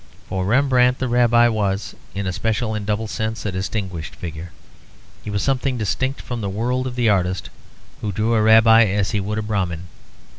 For Rembrandt the Rabbi was, in a special and double sense, a distinguished figure. He was something distinct from the world of the artist, who drew a Rabbi as he would a Brahmin.